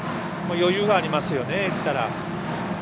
余裕がありますよね。